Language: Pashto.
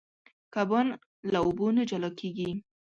کبان له اوبو نه جلا کېږي.